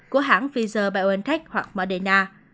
của hãng pfizer biontech hoặc moderna